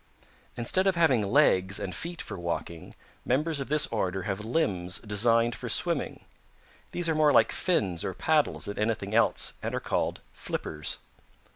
Instead of having legs and feet for walking, members of this order have limbs designed for swimming; these are more like fins or paddles than anything else and are called flippers.